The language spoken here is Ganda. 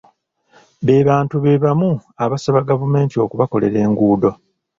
Be bantu be bamu abasaba gavumenti okubakolera enguudo.